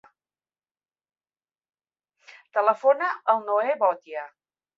Telefona al Noè Botia.